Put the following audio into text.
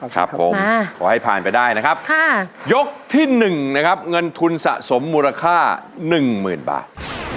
ครับผมขอให้ผ่านไปได้นะครับยกที่๑นะครับเงินทุนสะสมมูลค่า๑๐๐๐บาท